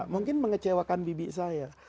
mungkin mengecewakan bibi saya